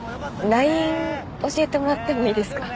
ＬＩＮＥ教えてもらってもいいですか？